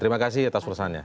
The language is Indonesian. terima kasih atas ulasannya